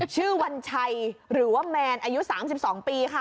วัญชัยหรือว่าแมนอายุ๓๒ปีค่ะ